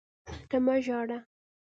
ته مه ژاړه!